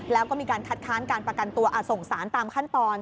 แล้วก็มีการคัดค้านการประกันตัวส่งสารตามขั้นตอน